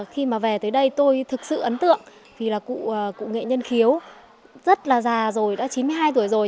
khi mà về tới đây tôi thực sự ấn tượng vì là cụ cụ nghệ nhân khiếu rất là già rồi đã chín mươi hai tuổi rồi